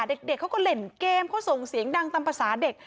เด็กเขาก็เล่นเกมเขาส่งเสียงดังตามภาษาเด็ก